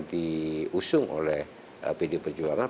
diusung oleh pd perjuangan